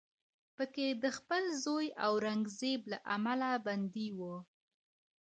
په کې د خپل زوی اورنګزیب له امله بندي و